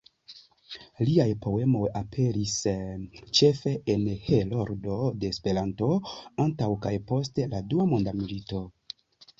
Liaj poemoj aperis ĉefe en Heroldo de Esperanto antaŭ kaj post la Dua Mondmilito.